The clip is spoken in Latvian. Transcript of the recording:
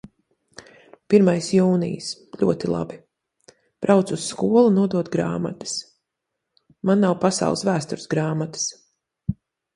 Pirmais jūnijs. Ļoti labi. Braucu uz skolu nodot grāmatas. Man nav pasaules vēstures grāmatas.